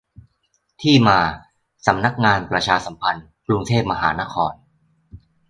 ที่มา : สำนักงานประชาสัมพันธ์ กรุงเทพมหานคร